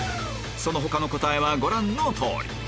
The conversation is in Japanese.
その他の答えはご覧の通り